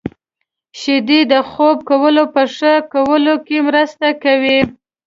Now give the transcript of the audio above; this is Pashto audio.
• شیدې د خوب کولو په ښه کولو کې مرسته کوي.